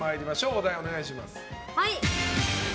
お題お願いします。